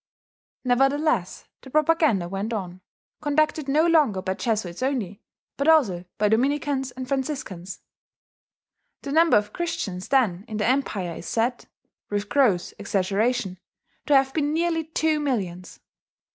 Nevertheless the propaganda went on conducted no longer by Jesuits only, but also by Dominicans and Franciscans. The number of Christians then in the empire is said, with gross exaggeration, to have been nearly two millions.